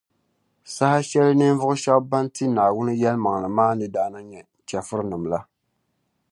Saha shεli ninvuɣu shεba ban ti Naawuni yεlimaŋli maa ni daa nya chɛfurinim’ la